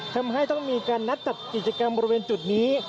ทำให้ต้องมีการนัดจัดกิจกรรมบริเวณจุดนี้